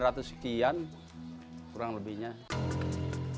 saya kurang lebih satu juta sembilan ratus sekian